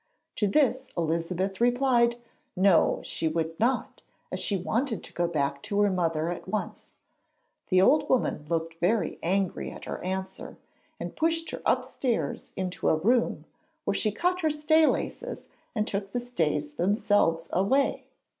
To this Elizabeth replied No; she would not, as she wanted to go back to her mother at once. The old woman looked very angry at her answer, and pushed her upstairs into a room, where she cut her stay laces, and took the stays themselves away.